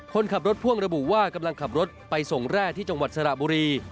คนขับรถพ่วงระบุว่ากำลังขับรถไปส่งแร่ที่จังหวัดสระบุรี